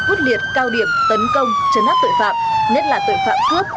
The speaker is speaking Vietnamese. quốc liệt cao điểm tấn công trấn áp tội phạm nhất là tội phạm cướp